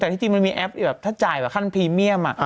แต่ที่จริงมันมีแอปแบบถ้าจ่ายแบบขั้นพรีเมียม